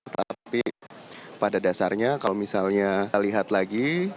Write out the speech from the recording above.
tapi pada dasarnya kalau misalnya lihat lagi